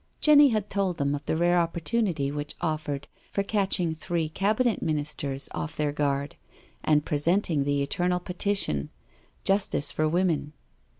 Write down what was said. Jenny had told them of the rare opportunity which offered for catching three Cabinet Ministers off their guard, and presenting the eternal Petitions justice for women.